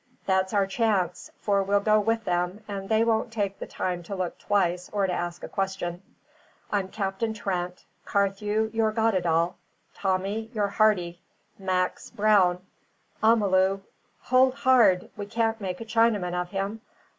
That's our chance; for we'll go with them, and they won't take the time to look twice or to ask a question. I'm Captain Trent; Carthew, you're Goddedaal; Tommy, you're Hardy; Mac's Brown; Amalu Hold hard! we can't make a Chinaman of him!